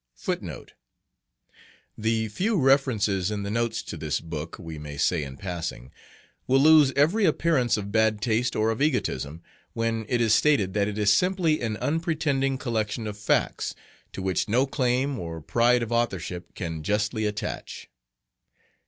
The few references in the Notes to this book (we may say in passing) will lose every appearance of bad taste or of egotism, when it is stated that it is simply an unpretending collection of facts, to which no claim or pride of authorship can justly attach.